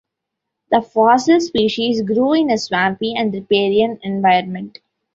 The fossil species grew in a swampy and riparian environment.